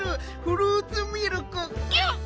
フルーツミルクキュッ。